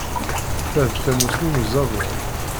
Ta d tamussni n uzadur.